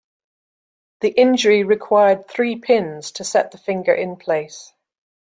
The injury required three pins to set the finger in place.